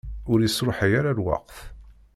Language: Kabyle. Ur isṛuḥay ara lweqt.